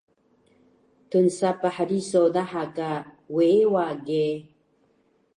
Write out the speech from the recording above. Tnsapah riso daha ka weewa ge